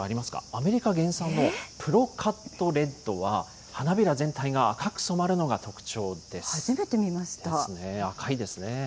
アメリカ原産のプロカットレッドは、花びら全体が赤く染まるのが特徴です。ですよね、赤いですね。